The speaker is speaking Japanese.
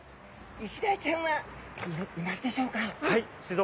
イシダイちゃんはいますでしょうか？